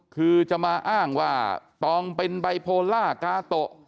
คือจะมาอ้างว่าตองเป็นไบโพล่ากาโตะ